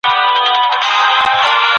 د کولمو سرطان لپاره هم سکرینینګ پروګرام شته.